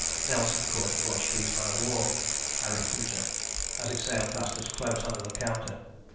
Nelson caught a Portuguese man of war (Arethusa) as it sailed past us close under the counter.